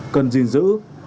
cần gìn giữ